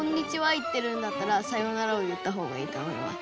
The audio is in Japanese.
言ってるんだったら「さようなら」を言った方がいいと思います。